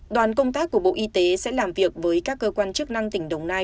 đoàn công tác của bộ y tế sẽ làm việc với các cơ quan chức năng tỉnh đồng nai